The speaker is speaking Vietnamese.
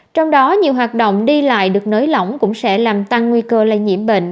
trong đó nhiều hoạt động đi lại được nới lỏng cũng sẽ làm tăng nguy cơ lây nhiễm bệnh